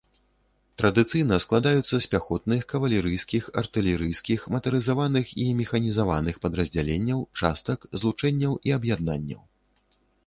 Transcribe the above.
Традыцыйна складаюцца з пяхотных, кавалерыйскіх, артылерыйскіх, матарызаваных і механізаваных падраздзяленняў, частак, злучэнняў і аб'яднанняў.